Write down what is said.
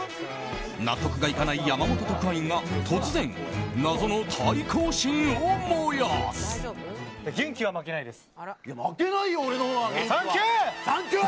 納得がいかない山本特派員が突然、謎の対抗心を燃やす。